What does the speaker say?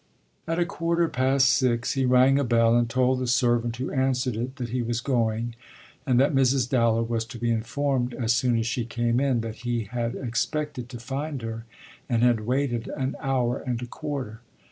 At a quarter past six he rang a bell and told the servant who answered it that he was going and that Mrs. Dallow was to be informed as soon as she came in that he had expected to find her and had waited an hour and a quarter.